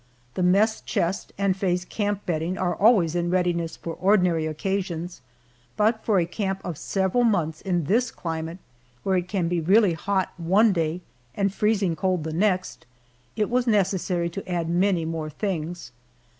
The mess chest, and Faye's camp bedding are always in readiness for ordinary occasions, but for a camp of several months in this climate, where it can be really hot one day and freezing cold the next, it was necessary to add many more things.